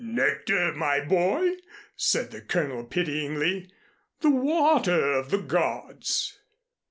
"Nectar, my boy," said the Colonel pityingly, "the water of the gods."